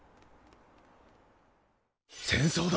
戦争だ。